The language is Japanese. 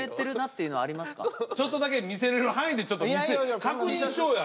ちょっとだけ見せれる範囲でちょっと見せ確認しようや。